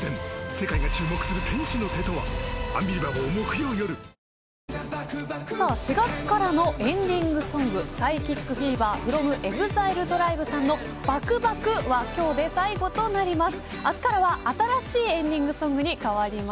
今日のチラシで４月からのエンディングソングＰＳＹＣＨＩＣＦＥＶＥＲｆｒｏｍＥＸＩＬＥＴＲＩＢＥさんのＢＡＫＵＢＡＫＵは今日で最後となります。